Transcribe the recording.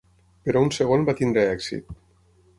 Però un segon va tenir èxit.